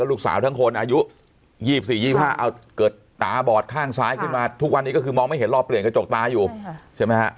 ลูกสาวทั้งคนอายุ๒๔๒๕เอาเกิดตาบอดข้างซ้ายขึ้นมาทุกวันนี้ก็คือมองไม่เห็นรอเปลี่ยนกระจกตาอยู่ใช่ไหมฮะ